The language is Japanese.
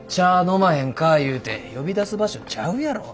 飲まへんかいうて呼び出す場所ちゃうやろ。